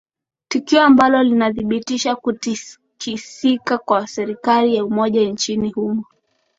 tukio ambalo linathibitisha kutikisika kwa serikali ya umoja nchini humo